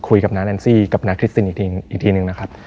คุยกับน้านแอนซี่กับน้าคริสตินอีกทีหนึ่ง